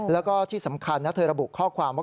แล้วก็ที่สำคัญนะเธอระบุข้อความว่า